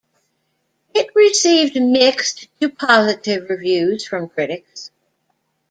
It received mixed-to-positive reviews from critics.